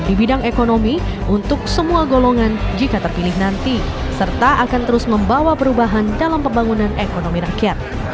di bidang ekonomi untuk semua golongan jika terpilih nanti serta akan terus membawa perubahan dalam pembangunan ekonomi rakyat